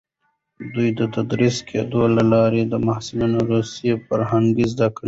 د دوی تدریس کېدو له لارې محصلان روسي فرهنګ زده کول.